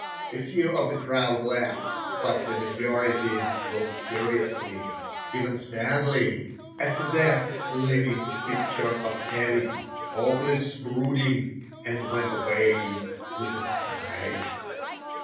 A few of the crowd laughed, but the majority looked seriously, even sadly, at that living picture of heavy, hopeless brooding, and went away with a sigh.